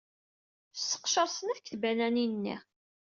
Sseqcer snat seg tbananin-nni.